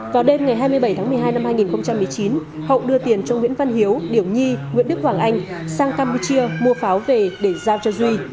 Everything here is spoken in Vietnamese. vào đêm ngày hai mươi bảy tháng một mươi hai năm hai nghìn một mươi chín hậu đưa tiền cho nguyễn văn hiếu điểu nhi nguyễn đức hoàng anh sang campuchia mua pháo về để giao cho duy